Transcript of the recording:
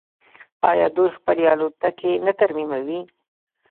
آیا دوی خپلې الوتکې نه ترمیموي؟